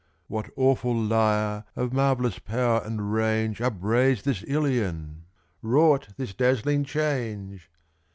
What awful lyre of marvellous power and range Upraised this Ilion wrought this dazzling change?